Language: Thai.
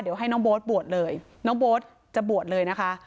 เดี๋ยวให้น้องโบ๊ทบวชเลยน้องโบ๊ทจะบวชเลยนะคะ